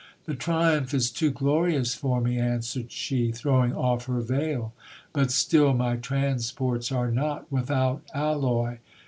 The triumph is too glorious for me, an swered she, throwing off her veil, but still my transports are not without alloy.